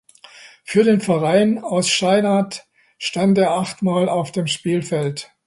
Für den Verein aus Chainat stand er acht Mal auf dem Spielfeld.